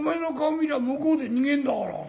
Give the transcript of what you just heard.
見りゃ向こうで逃げんだから。